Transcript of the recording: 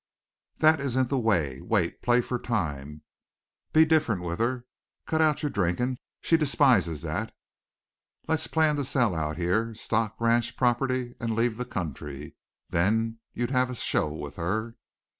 "That isn't the way. Wait. Play for time. Be different with her. Cut out your drinking. She despises that. Let's plan to sell out here, stock, ranch, property, and leave the country. Then you'd have a show with her."